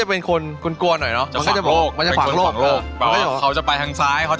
เป็นอะไรที่เคยเจอมาบ้างครับ